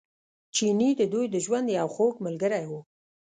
چیني د دوی د ژوند یو خوږ ملګری و.